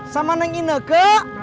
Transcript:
sama neng ineke